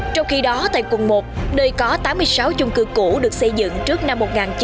trong khi đó tại quận một nơi có tám mươi sáu chung cư cũ được xây dựng trước năm một nghìn chín trăm bảy mươi